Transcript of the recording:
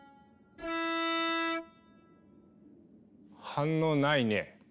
反応ないね。